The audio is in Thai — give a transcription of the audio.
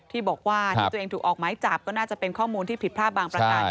ที่บอกว่าที่ตัวเองถูกออกไม้จับก็น่าจะเป็นข้อมูลที่ผิดพลาดบางประการ